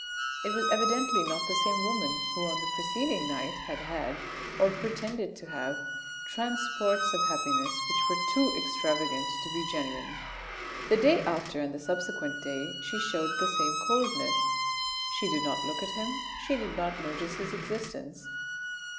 It was evidently not the same woman who on the proceeding night had had, or pretended to have, transports of happiness which were too extravagant to be genuine. The day after, and the subsequent day she showed the same coldness ; she did not look at him, she did not notice his existence.